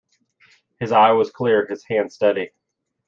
His eye was clear, his hand steady.